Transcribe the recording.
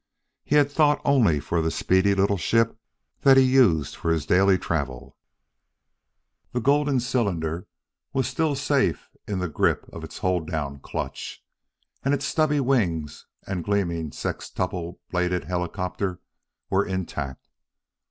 He had thought only for the speedy little ship that he used for his daily travel. The golden cylinder was still safe in the grip of its hold down clutch, and its stubby wings and gleaming sextuple bladed helicopter were intact.